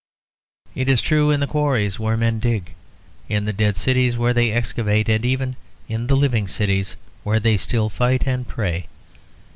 It is true in the quarries where men dig, in the dead cities where they excavate, and even in the living cities where they still fight and pray.